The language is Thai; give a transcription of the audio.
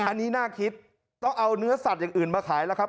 อันนี้น่าคิดต้องเอาเนื้อสัตว์อย่างอื่นมาขายแล้วครับ